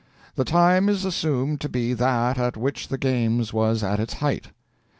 The time is assumed to be that at which the games was at its height.